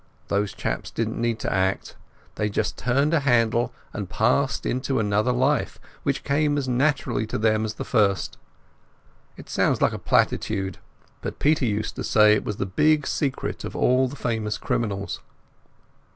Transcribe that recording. Those chaps didn't need to act, they just turned a handle and passed into another life, which came as naturally to them as the first. It sounds a platitude, but Peter used to say that it was the big secret of all the famous criminals.